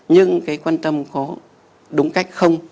nhưng cái quan tâm có đúng cách không